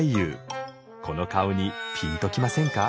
この顔にピンときませんか？